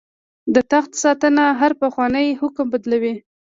د تخت ساتنه هر پخوانی حکم بدلوي.